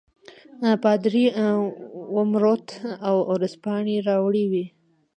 پادري ورموت او ورځپاڼې راوړې وې.